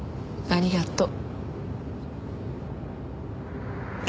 ありがとう。